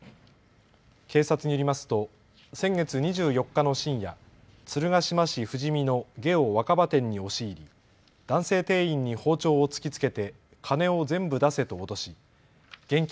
警察によりますと先月２４日の深夜、鶴ヶ島市富士見のゲオ若葉店に押し入り男性店員に包丁を突きつけて金を全部出せと脅し現金